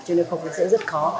cho nên không có sẽ rất khó